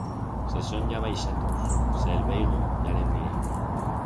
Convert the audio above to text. Se son ya baixatos, se el veigo ya le'n diré.